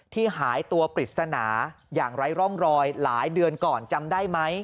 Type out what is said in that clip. หายตัวปริศนาอย่างไร้ร่องรอยหลายเดือนก่อนจำได้ไหม